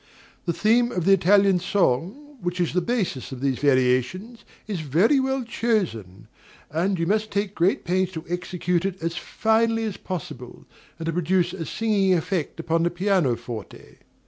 The theme of the Italian song, which is the basis of these variations, is very well chosen, and you must take great pains to execute it as finely as possible, and to produce a singing effect upon the piano forte.